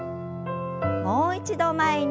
もう一度前に。